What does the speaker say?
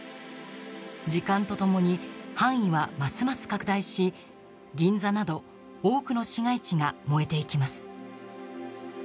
時間と共に範囲はますます拡大し銀座など多くの市街地が燃えていきます。